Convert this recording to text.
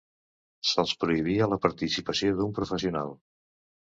Se'ls prohibia la participació d'un professional.